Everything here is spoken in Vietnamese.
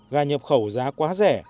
gà nhập khẩu giá quá rẻ